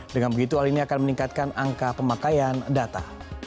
dengan begitu hal ini akan meningkatkan angka pemakaian data